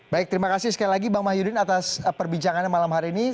baik terima kasih sekali lagi bang mahyudin atas perbincangannya malam hari ini